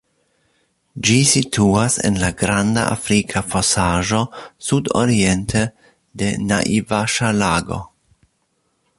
Ĝi situas en la Granda Afrika Fosaĵo, sudoriente de Naivaŝa-lago.